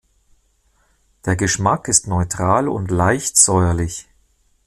Der Geschmack ist neutral und leicht säuerlich.